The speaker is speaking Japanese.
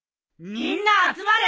みんな集まれ！